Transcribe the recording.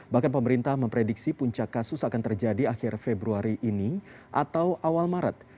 bahkan pemerintah memprediksi puncak kasus akan terjadi akhir februari ini atau awal maret